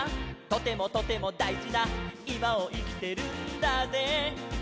「とてもとてもだいじないまをいきてるんだぜ」